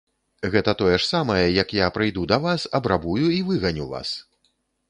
Гэта тое ж самае, як я прыйду да вас, абрабую і выганю вас.